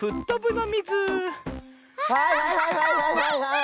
はいはいはい！